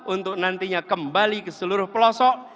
untuk nantinya kembali ke seluruh pelosok